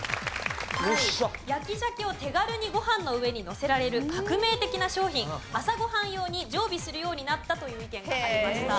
焼き鮭を手軽にご飯の上にのせられる革命的な商品朝ご飯用に常備するようになったという意見がありました。